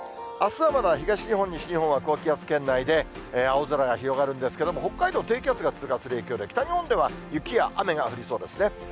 あすはまだ東日本、西日本は高気圧圏内で、青空が広がるんですけれども、北海道、低気圧が通過する影響で、北日本では雪や雨が降りそうですね。